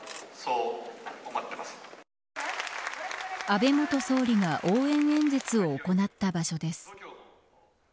安倍元総理が応援演説を行った場所です。